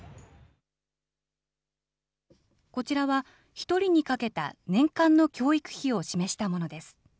こちらは１人にかけた年間の教育費を示したものです。